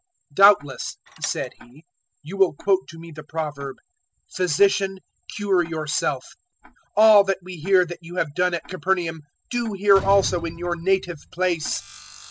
004:023 "Doubtless," said He, "you will quote to me the proverb, `Physician, cure yourself: all that we hear that you have done at Capernaum, do here also in your native place.'"